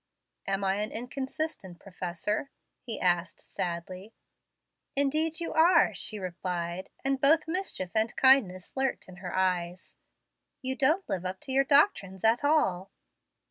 "Am I an inconsistent professor?" he asked sadly. "Indeed you are," she replied; and both mischief and kindness lurked in her eyes. "You don't live up to your doctrines at all."